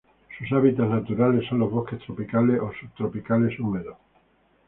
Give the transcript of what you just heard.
Sus hábitats naturales son los bosques tropicales o subtropicales húmedos.